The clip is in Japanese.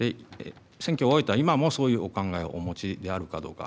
選挙を終えた今もそういうお考えをお持ちであるかどうか。